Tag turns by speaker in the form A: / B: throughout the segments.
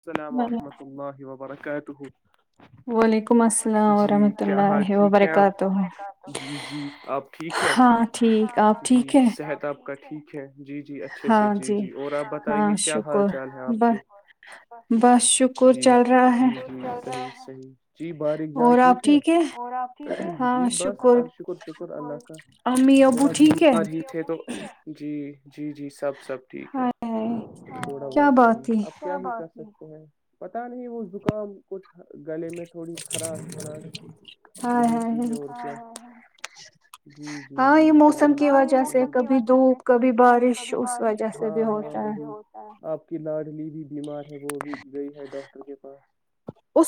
A: السلام
B: وعلیکم
A: ورحمۃ اللہ وبرکاتہ
B: وعلیکم السلام
A: جی
B: ورحمۃ
A: کیا حال
B: اللہ
A: ٹھیک ہے
B: وبرکاتہ
A: آپ جی جی آپ ٹھیک ہیں
B: ہاں ٹھیک آپ
A: جی
B: ٹھیک ہے
A: صحت آپ کا ٹھیک اچھا جی جی اچھے سے جی جی اور آپ
B: ہاں
A: بتائیے کیا حال
B: شکر
A: چال ہیں آپ
B: ب
A: کے
B: بس شکر
A: جی
B: چل
A: جی
B: رہا ہے
A: جی صحیح صحیح جی باریک جان ٹھیک ہے جی بس شکر شکر اللہ کا
B: امی ابو
A: تھوڑا
B: ٹھیک ہے
A: بیمار ہی تھے تو جی جی جی سب سب ٹھیک ہے
B: ہائے ہائے
A: تھوڑا
B: کیا
A: بہت
B: بات
A: جی
B: تھی
A: اب سکتے ہیں، پتا نہیں وہ زکام کچھ گلے میں تھوڑی خراش وراش
B: ہائے
A: یہی
B: ہائے
A: چیزیں
B: ہائے۔
A: اور جی جی
B: ہاں یہ
A: جی
B: موسم کی
A: ہاں یہ
B: وجہ سے
A: موسم کی
B: کبھی
A: وجہ سے
B: دھوپ
A: کبھی دھوپ
B: بارش
A: کبھی
B: اس وجہ
A: بارش
B: سے بھی ہوتا ہے
A: ہاں لاڈلی بھی بیمار ہے وہ بھی گئی ہے ڈاکٹر کے پاس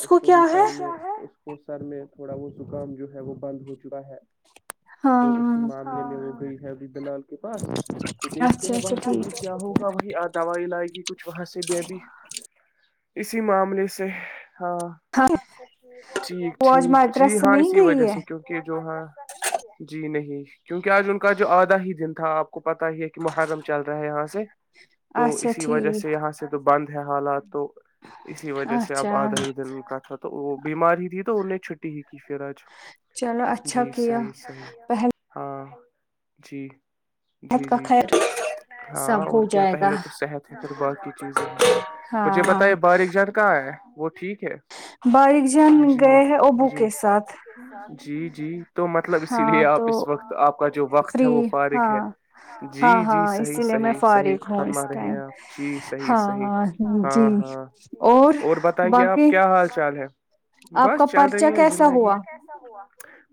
A: اس کو بھی سر میں اس کو سر میں تھوڑا وہ زکام جو ہے وہ بند ہو چکا ہے تو اسی
B: ہاں
A: معاملے میں وہ گئی ہے ابھی بلال کے پاس تو دیکھتے
B: اچھا
A: ہیں وہاں
B: اچھا
A: سے بھی
B: ٹھیک
A: کیا ہوگا وہی دوائی لائیگی کچھ وہاں سے بھی ابھی
B: [inaudible]
A: اسی معاملے سے ہاں ٹھیک
B: وہ آج
A: ٹھیک جی
B: مدرسہ
A: ہاں
B: نہیں
A: اسی وجہ
B: گئی ہے
A: سے کیونکہ جو ہاں جی نہیں کیونکہ آج ان کا جو آدھا ہی دن تھا آپ کو پتا ہی ہے کہ محرم چل رہا ہے یہاں سے تو
B: اچھا
A: اسی وجہ سے
B: ٹھیک
A: یہاں سے تو بند حالات تو اسی وجہ سے اب
B: اچھا
A: آدھا دن کا تھا تو وہ بیمار ہی تھی تو انہیں چھٹی ہی کی پھر آج
B: چلو اچھا
A: جی
B: کیا
A: صحی صحیح
B: پہل
A: ہاں جی
B: صحت
A: جی
B: کا
A: جی
B: خیر
A: ہاں
B: سب
A: اور
B: ہو
A: کیا
B: جائے گا
A: پہلے تو صحت ہے پھر باقی چیزیں ہیں مجھے پتا یہ
B: ہاں
A: باریک جان کہاں ہے وہ ٹھیک ہے
B: باریک جان
A: جی
B: گئے ہیں ابو
A: جی
B: کے ساتھ
A: جی جی تو مطلب اسی لیے
B: ہاں
A: آپ
B: تو
A: اس وقت آپ کا جو وقت ہے
B: فری
A: وہ فارغ
B: ہاں
A: ہے جی
B: ہاں
A: جی
B: ہاں
A: صحیح
B: اسی لیے میں
A: صحیح صحیح
B: فارغ ہوں
A: فرما
B: اس
A: رہے
B: ٹائم
A: ہیں آپ جی صحیح صحیح
B: ہاں
A: ہاں
B: جی
A: ہاں اور بتائیے آپ
B: باقی
A: کیا حال چال ہے
B: آپ
A: بس
B: کا
A: چل
B: پرچہ
A: رہی ہے
B: کیسا
A: زندگی
B: ہوا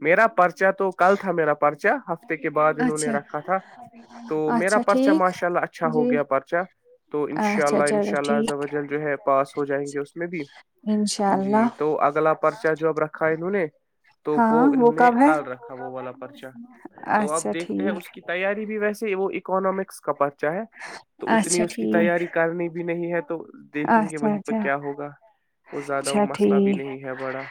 A: میرا پرس پرچا تو کل تھا میرا پرچا ہفتے کے بعد انہوں نے
B: اچھا
A: رکھا تھا تو میرا
B: اچھا
A: پرچا
B: ٹھیک
A: ماشاء اللہ اچھا ہو
B: جی
A: گیا پرچا تو ان شاء
B: اچھا چلو ٹھیک
A: اللہا پاس ہو جائیں گے اس میں بھی
B: انشاء اللہ
A: جی تو اگلا پرچہ جو اب رکھا انہوں نے تو
B: ہاں
A: وہ انہوں نے
B: کب ہے
A: کال را والا پرچا تو اب
B: اچھا
A: دیکھتے ہیں
B: ٹھیک
A: اس کی تیاری بھی ویسے وہ اکنمکس کا پرت تھا چاہ تو اتنی
B: اچھا
A: اس کی
B: ٹھیک
A: تیاری کرنی بھی نہیں ہے تو دیکھیں گے
B: اچھا
A: وہیں پہ
B: اچھا
A: کیا ہوگا وہ زیادہ وہ
B: اچھا
A: مسئلہ بھی
B: ٹھیک
A: نہیں ہے بڑا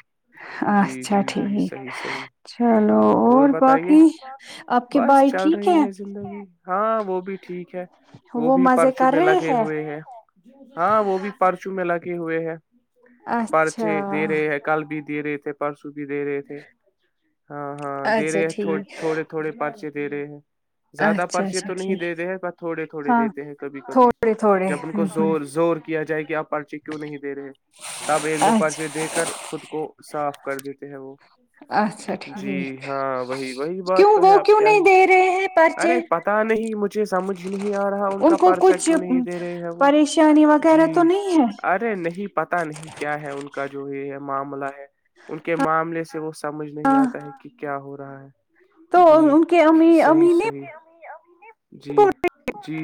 A: جی
B: اچھا
A: جی جی
B: ٹھیک
A: صحیح صحیح
B: چلو
A: ہاں اور بتائیے
B: باقی آپ کے
A: بس
B: بھائی
A: چل
B: ٹھیک
A: رہی ہے زندگی ہاں وہ بھی ٹھیک ہے وہ بھی
B: مزے
A: پرچوں
B: کر
A: میں
B: رہے
A: لگے ہوئے ہیں ہاں وہ بھی پرچو میں لگا کے ہوئے ہیں
B: اچھا
A: پرچے دے رہے ہیں کل بھی دے رہے تھے پرس بھی دے رہے تھے ہاں ہاں دے
B: اچھا
A: رہے ہیں
B: ٹھیک
A: تھوڑے تھوڑے پرچے دے رہے ہیں زیادہ
B: اچھا
A: پرچے
B: اچھا
A: تو نہیں
B: ٹھیک
A: دیتے ہیں پر تھوڑے تھوڑے
B: ہاں
A: دیتے ہیں کبھی کبھی
B: تھوڑے تھوڑے
A: جب ان
B: ہ
A: کو
B: ہ
A: زور زور کیا جائے گ آپ پرچے کیوں نہیں دے رہے تب ایک دو پرچے
B: اچھا
A: دے کر خود کو صاف کر دیتے ہیں وہ
B: اچھا
A: جی
B: ٹھیک
A: ہاں وہی وہی
B: کیوں
A: بات تو ہے
B: وہ
A: اب
B: کیوں
A: کیا
B: نہیں
A: ہی
B: دے رہے ہیں پرچے
A: ارے پتا نہیں مجھے سمجھ نہیں آ رہا ان کا
B: کو
A: پرچا
B: کچھ
A: کیوں نہیں تھا
B: پریشانی وغیرہ تو نہیں ہے
A: ارے نہیں پتا نہیں کیا ہے ان کا جو یہ معاملہ ہے ان کے معاملے سے وہ سمجھ نہیں
B: ہاں
A: آتا ہے کہ کیا ہو رہا ہے
B: تو
A: جی
B: ان کے امی
A: صحیح
B: امی نے
A: صیح جی جی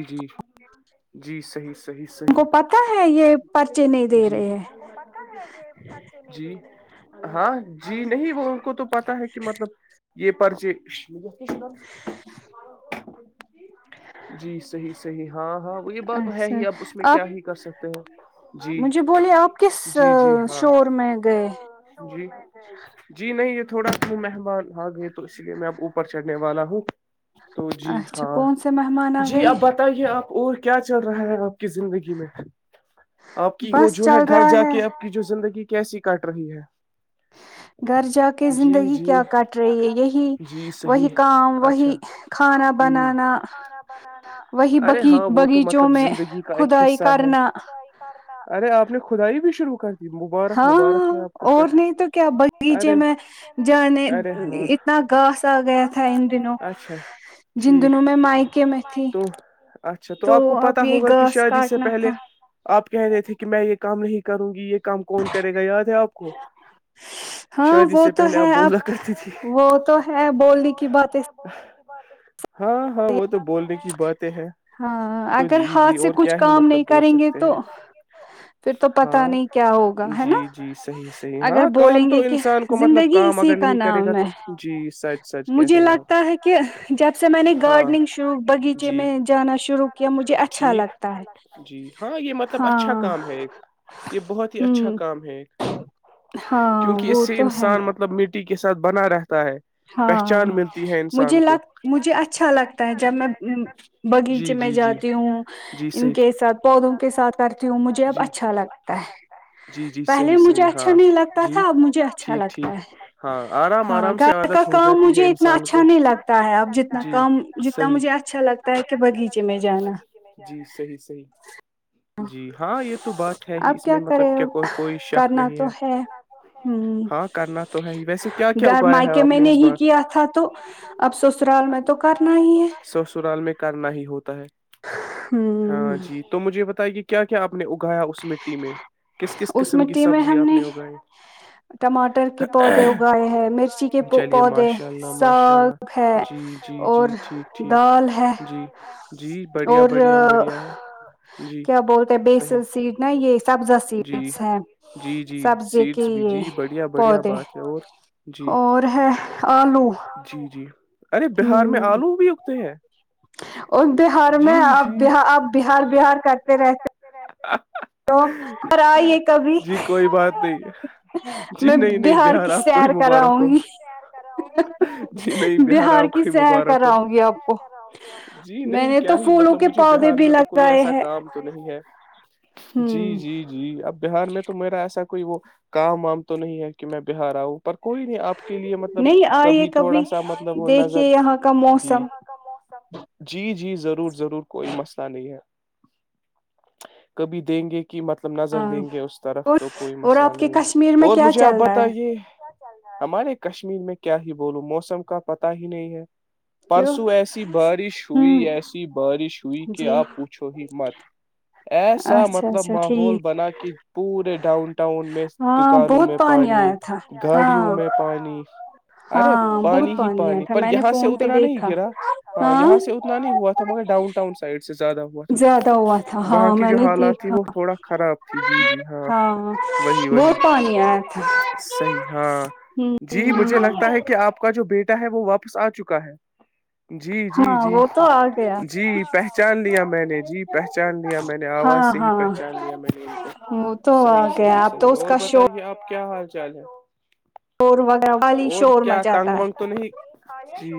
A: جی جی صحیح صحیح
B: ان
A: صیح
B: کو پتا ہے یہ پرچے نہیں دے
A: جی
B: رہے ہیں
A: جی ہاں جی نہیں وہ ان کو تو پتا ہے کہ مطلب یہ پرچے جی صحیح صحیح ہاں ہاں وہی بات تو ہے
B: اچھا
A: ہی اب اس میں
B: آپ
A: کیا ہی کر سکتے [unintelligible]
B: مجھے بولیے آپ کس
A: جی جی ہاں
B: شور میں گئے
A: جی جی نہیں یہ تھوڑا مہمان آ گئے تو اس لیے میں اب اوپر چڑھنے والا ہوں تو جی
B: اچھا
A: ہاں
B: کون سے مہمان آ
A: جی
B: گئے
A: اب بتائیے آپ اور کیا چل رہا ہےا زندگی میں آپ کی وہ
B: بس
A: جو ہے
B: چل
A: گھر
B: رہا
A: جا
B: ہے
A: کے آپ کی جو زندگی کیسی کٹ رہی ہے
B: گھر جا کے
A: جی
B: زندگی
A: جی
B: کیا کٹ رہی ہے یہی
A: جی
B: وہی
A: صحیح
B: کام وہی
A: اچھا
B: کھانا
A: ہ
B: بنانا وہی
A: ارے
B: بی
A: ہاں وہ تو
B: باغیچ
A: مطلب
B: میں
A: زندگی کا ایک
B: خدائی
A: حصہ ہے
B: کرنا
A: ارے آپ نے کدائی بھی شروع کر دی مبارک مبارک ہے
B: ہاں
A: آپ کو
B: اور نہیں تو کیا
A: پھر
B: باغیچے
A: ارے
B: میں جانے
A: ارے ہاں
B: اتنا گھاس آ گیا تھا ان دنوں
A: اچھا
B: جن
A: ٹھیک
B: دنوں میں مائکے میں تھی
A: تو اچھا
B: تو
A: آپ کو پتا
B: اب یہ
A: ہوگا کہ
B: گھاس
A: شاید اس سے
B: کاٹنا
A: پہلے
B: تھا
A: آپ کہہ رہے تھے کہ میں یہ کام نہیں کروں گی یہ کم کون کرے گا یاد ہے آپ کو
B: ہاں
A: شادی
B: وہ
A: سے
B: تو
A: پہلے آپ
B: ہے
A: بو
B: اب
A: کرتی تھی
B: وہ تو ہے بولنے کی باتیں
A: ہاں ہاں وہ تو بولنے کی باتیں ہے
B: ہاں اگر ہاتھ سے کچھ کام نہیں کریں گے
A: سکتے
B: تو
A: ہیں
B: پھر تو پتا نہیں کیا ہوگا
A: ہاں
B: ہے
A: جی
B: نا
A: جی صحیح صحیح
B: اگر
A: ہاں کام
B: بولیں
A: تو
B: گے کہ
A: انسان کو مطلب
B: زندگی
A: کام
B: اسی
A: اگر
B: کا
A: نہیں کرے گا
B: نام ہے
A: تو جی سچ سچ کہہ
B: مجھے
A: رہے ہیں
B: لگتا ہے کہ جب سے میں نے
A: آپ
B: گارڈننگ شروع
A: ہاں
B: بغیچے
A: جی
B: میں جانا شروع کیا مجھے اچھا
A: ٹھیک
B: لگتا ہے
A: جی ہاں یہ مطلب اچھا
B: ہاں
A: کام ہے ایک یہ بہت ہی اچھا
B: ہوں
A: کام ہے ایک
B: ہاں
A: کیونکہ اس
B: وہ
A: سے
B: تو ہے
A: انسان مطلب مٹی کے اک کے سات بنار رہا
B: ہاں مجھے
A: کو
B: لگ مجھے اچھا لگتا ہے جب میں بغی نچ
A: جی
B: میں
A: جی جی
B: جاتی ہوں
A: جی
B: ان
A: صحیح
B: کے ساتھ پودوں کے ساتھ کرتی ہوں مجھے اب اچھا لگتا ہے
A: جی جی صحیح
B: پہلے مجھے
A: صحیح
B: اچھا
A: ہاں
B: نہیں لگتا
A: جی
B: تھا اب مجھے اچھا
A: ٹھیک
B: لگتا
A: ٹھیک
B: ہے
A: ہاں آرام
B: ہاں
A: آرام سے
B: گ کا
A: عادت ہو
B: کام
A: جاتی ہے
B: مجھے اتنا
A: انسان کو
B: اچھا نہیں لگتا ہے اب جتنا کام جتنا مجھے اچھا لگتا ہے کہ بغیچہ
A: جی صحی صحی جی ہاں یہ تو بات ہے ہی
B: اب
A: اس میں مطلب
B: کرے
A: کیا کو کوئی شک
B: کرنا
A: نہیں
B: تو
A: ہے
B: ہ
A: ہاں کرنا تو ہے ہی ویسے کیا کیا اگایا ہے
B: کہ
A: آپ
B: میں نے
A: اس
B: ہی
A: بار
B: کیا تھا تو اب سسرال میں تو کرنا ہی ہے
A: سسرال میں کرنا ہی ہوتا ہے ہاں
B: ہ
A: جی تو مجھے یہ بتائے کہ کیا کیا آپ نے اگایا اس مٹی میں کس کس
B: اس
A: قسم کی
B: مٹی میں
A: سبزی
B: ہم
A: آپ نے اگائی
B: ٹماٹر کے پودے اگائے ہیں مرچی کے
A: چلیے
B: پودے
A: ماشاء اللہ ماشاء
B: ساگ
A: اللہ
B: ہے
A: جی جی
B: اور
A: جی ٹھیک ٹھیک
B: دال ہے
A: جی جی بڑھیا
B: اور
A: بڑھیا بڑھیا ہے جی
B: کیا بولتے بیسل سیڈ نا یہ سبزا
A: صحیح جی
B: سیڈس ہیں
A: جی جی
B: سبزے کے ج
A: سیٹس بھی
B: یہ
A: جی بڑھیا بڑھیا
B: پودے
A: بات ہے اور جی
B: اور ہے آلو
A: ج ارے
B: ہ
A: بہار میں آلو بھی اگتے ہیں
B: اور اس بہار
A: جی
B: میں آپ
A: جی
B: بار آپ بہار بہار کرتے رہتے
A: آپ
B: تو اور آئیے کبھی
A: کوئی بات نہیں جی
B: میں
A: نہیں نہیں
B: بہار کی
A: آپ کو ہی
B: سیر
A: مبارک
B: کراؤں
A: ہو
B: گی
A: جی نہیں
B: بہار
A: آپ کو
B: کی
A: ہی
B: سیر
A: مبارک ہو
B: کراؤں گی آپ کو میں
A: نہیں
B: نے
A: کیا
B: تو
A: ہی
B: پھولوں
A: مطلب
B: کے
A: مجھے
B: پودے
A: بہار
B: بھی
A: میں تو کوئی
B: لگائے
A: ایسا
B: ہیں
A: کام تو نہیں ہے
B: ہ
A: جی جی جی اب بہار میں تو میرا ایسا کوئی وہ کام وام تو نہیں ہے کہ میں بہار آؤں پر کوئی نہیں آپ کے لیے مطلب
B: نہیں آئیے
A: کبھی تھوڑا سا مطلب وہ نظر
B: دیکھیے یہاں کا
A: دی
B: موسم
A: جی جی ضرور ضرور کوئی مسئلہ نہیں ہے کبھی دیں گے کہ کہ مطلب نظر
B: ہاں
A: دیں گے اس طرف تو کوئی
B: اور
A: مسئلہ
B: آپ کے
A: نہیں ہے
B: کشمیر میں
A: اور
B: کیا
A: مجھے آپ
B: چل رہا ہے
A: بتائیے ہمارے کشمیر میں کیا ہی بولوں موسم کا پتا ہی نہیں ہے
B: کیوں
A: پرسوں ایسی بارش ہوئی
B: ہ
A: ایسی بارش ہوئی کہ
B: جی
A: آپ پوچھو ہی مت ایسا
B: اچھا
A: مطلب
B: اچھا
A: ماحول
B: ٹھیک
A: بنا کہ پورے ڈاؤن ٹاؤن میں
B: ہاں
A: دکانوں
B: بہت
A: میں پانی
B: آیا تھا
A: گاڑیوں
B: ہاں
A: میں پانی ارے
B: ہاں
A: پانی
B: بہت
A: ہی
B: آیا
A: پانی
B: تھا
A: پر
B: میں نے
A: یہاں سے
B: فون پہ
A: اترا نہیں
B: دیکھا
A: گرا ہاں یہاں سے ات نہیں ہوا تھا مگر ڈاؤنٹاؤن سائڈ سے زیادہ ہوا تھا
B: زیادہ ہوا تھا
A: وہاں
B: ہاں
A: کی
B: میں
A: جو
B: نے
A: حالات تھی
B: دیکھا
A: وہ تھوڑا خراب تھی جی جی ہاں وہی وہی
B: بہت پانی آیا تھا
A: صحیح ہاں جی مجھے لگتا ہے
B: ہ
A: کہ آپ کا جو بیٹا ہے وہ واپس آ چکا ہے جی جی
B: ہاں
A: جی
B: وہ تو آ گیا
A: جی پہچان لیا میں نے جی پہچان لیا میں نے آواز
B: ہاں
A: سے ہی
B: ہاں
A: پہچان لیا میں نے ان کو
B: وہ تو آ
A: صحیح صحیح
B: گیا اب تو
A: صحیح
B: اس
A: اور
B: کا
A: بتائیے آپ کیا حال ج ج
B: شور وغیرہ والی
A: اور
B: شور
A: کیا تانگ
B: مچاتا ہے
A: وگ تو نہیں ج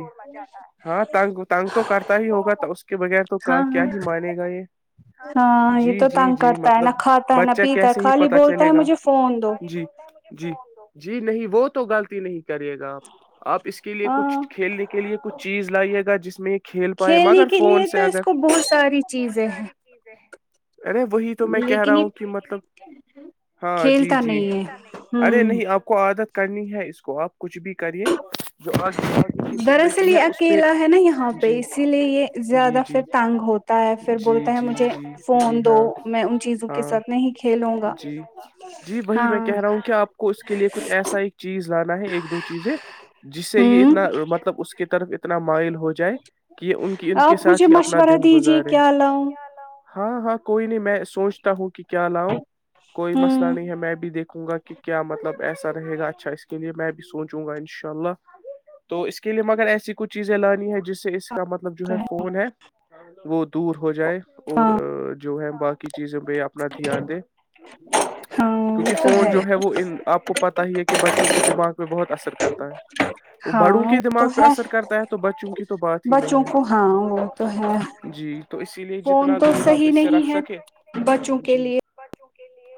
A: ہاں تانگ تگ تو کرتا ہی ہوگا تو اس کے بغیر تو
B: ہاں
A: کیا
B: ہاں
A: ہی مان گا یہ
B: ہاں یہ
A: جی
B: تو
A: جی
B: تنگ
A: جی
B: کرتا ہے نہ
A: مطلب
B: کھاتا ہے نہ
A: بچہ
B: پیتا ہے
A: کیسے ہی
B: خالی
A: پتا
B: بولتا
A: چلے
B: ہے
A: گا
B: مجھے فون دو
A: جی جی جی نہیں وہ تو غطتی نہیں کرے گا آپ آپ اس کے لیے کچھ
B: ہاں
A: کھیلنے کے لیے کچھ چیز لائیے گا جس میں کھیل پائے
B: کھیلنے
A: مگر
B: کے
A: فون
B: لیے
A: سے
B: تو اس
A: اگر
B: کو بہت ساری چیزیں ہیں
A: [unintelligible] ارے وہی تو میں کہہ رہا
B: لیکن یہ
A: ہوں کہ مطلب ہاں جی
B: کھیلتا
A: جی
B: نہیں ہے
A: ارے
B: ہوں
A: نہیں آپ کو عادت کرنی ہے اس کو آپ کچھ بھی کریے جو آگے آگے کی
B: دراصل
A: زندگی ہے
B: یہ
A: اس پہ
B: اکیلا ہے نا یہاں پہ
A: جی
B: اسی لیے یہ
A: جی
B: زیادہ پھر
A: جی
B: تنگ ہوتا ہے پھر
A: جی
B: بولتا ہے
A: جی
B: مجھے
A: جی
B: فون
A: جی
B: دو
A: ہاں
B: میں ان چیزوں کے
A: ہاں
B: ساتھ نہیں کھیلوں گا
A: جی جی وہی میں
B: ہاں
A: کہہ رہا ہوں کہ آپ کو اس کے لیے کچھ ایسا ایک چیز لانا ہے ایک دو چیزیں جس سے یہ
B: ہوں
A: اتنا مطلب اس کی طرف اتنا انا مائل ہو جائے کہ یہ ان کی ان کے
B: آپ مجھے
A: ساتھ ہی اپنا
B: مشورہ
A: دن
B: دیجے
A: گزارے
B: کیا لاؤں
A: ہاں ہاں کوئی نہیں میں سوچتا ہوں کہ کیا لاؤں کوئی مسئلہ
B: ہوں
A: نہیں ہے میں بھی دیکھ رکوں گا کہ کیا مطلب ایسا رہے گا اچھا اس کے لیے میں بھی سوچوں گا انشاء اللہ تو اس کے لیے مگر ایسی کچھ چیزیں لانی ہے جس سے اس کا مطلب جو ہے فون ہے وہ دور ہو جائے اور
B: ہاں
A: جو ہے باقی چیزوں پہ اپنا دھیان دیں
B: ہاں وہ
A: کیونکہ
B: تو
A: فون جو ہے وہ آپ کو پتا ہی ہے کہ کہ بچے کی دماغ پہ بہت اثر کرتا ہے [unintelligible] وہ
B: ہاں
A: بڑوں کے
B: تو
A: دماغ پہ
B: ہے
A: اثر کرتا ہے تو بچوں کی تو بات ہی نہیں
B: بچوں
A: ہے
B: کو ہاں وہ تو ہے
A: جی تو اسی لیے
B: فون
A: جتنا
B: تو
A: دور آپ
B: صحی
A: اس سے رکھ
B: نہیں ہے
A: سکے
B: بچوں کے
A: جی
B: لیے [unintelligible]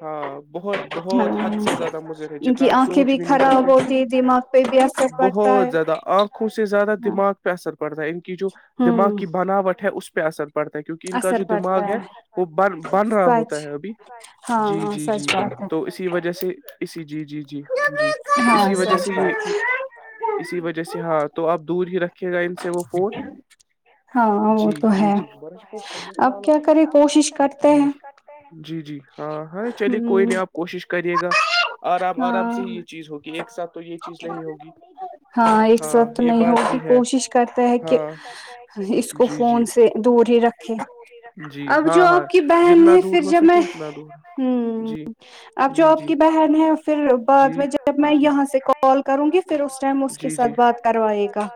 A: ہاں [unintelligible] بہت
B: ہاں
A: بہت حد سے زیادہ مضر ہے
B: ان
A: جتنا
B: کی
A: ہم
B: آنکھیں
A: سوچ بھی نہیں
B: خراب ہوتی ہے دماغ پہ بھی
A: سکتے
B: اثر پڑتا
A: بہت
B: ہے
A: زیادہ آنکھوں سے زیادہ
B: ہاں
A: دماغ پہ اثر پڑتا ہے [unintelligible] جو دماغ
B: ہوں
A: کی بناوٹ [unintelligible] ہے اس پہ اثر [unintelligible] پڑتا ہے کیونکہ ان کا
B: اثر
A: جو
B: پڑتا
A: دماغ ہے وہ بن رہا
B: سچ
A: ہوتا ہے ابھی
B: ہاں
A: جی
B: ہاں
A: جی جی
B: سچ بات ہے
A: تو اسی وجہ سے [unintelligible] اسی جی جی جی [unintelligible] جی تو
B: ہاں
A: اسی وجہ
B: سچ
A: سے یہ
B: بات ہے
A: اسی وجہ [unintelligible] جیسے ہاں تو آپ دور ہی رکھیے گا ان سے وہ فون
B: ہاں وہ
A: جی
B: تو
A: جی
B: ہے
A: جی
B: اب کیا کرے کوشش کرتے
A: جی
B: ہیں
A: جی جی ہاں ہرے چلیے کوئی
B: ہوں
A: نہیں آپ کوشش کریے گا آرام آرام سے
B: ہاں
A: ہی یہ چیز ہوگی ایک ساتھ تو یہ چیز نہیں ہوگی ہاں یہ بات بھی ہے [unintelligible]
B: ک [unintelligible] اس کو
A: جی جی
B: فون سے دور ہی رکھے
A: جی
B: اب
A: ہاں
B: جو
A: ہاں
B: آپ کی بہن
A: جتنا
B: ہے
A: دور
B: پھر
A: ہو
B: جب میں
A: سکے
B: ہ
A: اتنا دور جی
B: اب جو
A: جی
B: آپ
A: جی
B: کی بہن ہے پھر بعد میں جب میں یہاں سے کال کروں گی پھر اس ٹائم اس کے ساتھ بات کروائے گا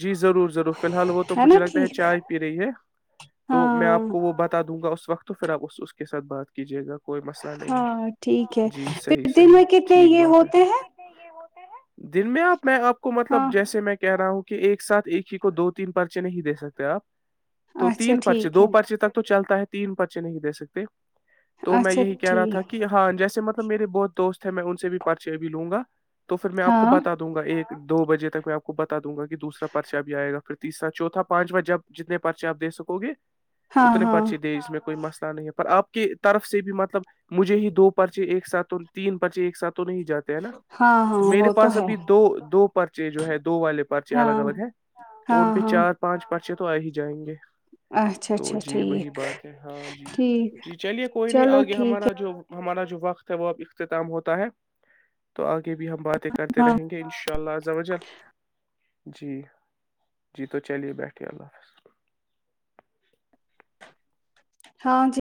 A: جی ضرور ضرور فی الحال وہ تو
B: نا
A: مجھے لگتا ہے
B: ٹھیک
A: چائے پی رہی ہے تو میں
B: ہاں
A: آپ کو وہ بتا دوں گا اس اس وقت پھر آپ اس اس کے ساتھ بات کیجیے گا [unintelligible] نہیں
B: ہاں ٹھیک ہے
A: جی صحیح
B: پھر دن
A: صحیح
B: میں کتنے
A: ٹھیک
B: یہ
A: بات ہے
B: ہوتے ہیں [unintelligible]
A: دن میں آپ میں آپ کو
B: ہاں
A: مطلب جیسے میں کہہ رہا ہوں کہ ایک [unintelligible] ایک سھ ایک ہی کو دو تین پرچے نہیں دے سکتے آپ تو
B: اچھا
A: تین پرچے
B: ٹھیک
A: دو
B: ہے
A: پرچے تک تو چلتا ہے تو تین بچے نہیں دے سکتے [unintelligible] تو میں
B: اچھا
A: یہی کہہ رہا تھا
B: ٹھیک
A: کہ ہاں جیسے مطلب میرے بہت دوست ہے میں ان سے بھی پراچے ا بھی لوں گا [unintelligible] تو پھر میں آپ کو
B: ہاں
A: بتا دوں گا ایک [unintelligible] دو بجے تک میں آپ کو بتا دوں گا کہ دوسرا پرچا بھی آئے گ پھر تیسا چتھا پانچواں جب جتنے پرچے آ دے سکو گے
B: ہاں
A: اتنے
B: ہاں
A: پرچے دے اس میں کوئی مست [unintelligible] نہیں پر آپ کی طرف سے بھی مطلب مجھے ہی دو پرچے ایک ساتھ تین پرچے ایک ساتھ [unintelligible] تو نہیں جاتے ہے نا
B: ہاں ہاں
A: تو میرے
B: وہ
A: پاس
B: ہے
A: ابھی دو دو پرچے جو ہے دو والے پرچے
B: ہاں
A: الگ الگ ہیں [unintelligible] [inaudible] تو ان
B: ہاں
A: پہ
B: ہاں
A: چار پانچ
B: اچھا
A: [unintelligible] [inaudible] تو
B: اچھا
A: جی وہی
B: ٹھیک
A: بات ہے ہاں جی
B: ٹھیک
A: جی چلیے کوئی نہیں
B: چلو
A: آگے
B: ٹھیک
A: ہمارا
B: ہے
A: جو ہمارا جو وقت ہے وہ اب اختتام ہوتا ہے تو آگے بھی ہم باتیں کرتے
B: ہاں
A: رہیں گے ان شاء اللہ زجل جی جی تو چلیے بیٹھیے اللہ حاظ
B: ہاں جی